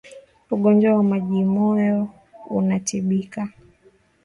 Ugonjwa wa majimoyo unatibika